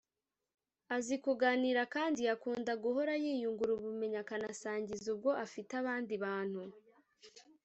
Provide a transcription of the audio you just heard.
azi kuganira kandi akunda guhora yiyungura ubumenyi akanasangiza ubwo afite abandi bantu